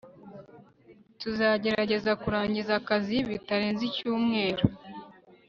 tuzagerageza kurangiza akazi bitarenze icyumweru